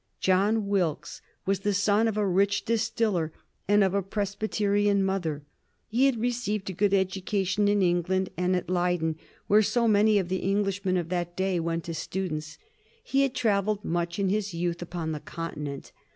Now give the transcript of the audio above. John Wilkes was the son of a rich distiller and of a Presbyterian mother. He had received a good education in England and at Leyden, where so many of the Englishmen of that day went as students. He had travelled much in his youth upon the Continent.